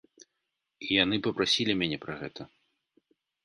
І яны папрасілі мяне пра гэта.